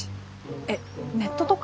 えっネットとか？